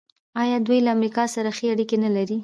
آیا دوی له امریکا سره ښې اړیکې نلري؟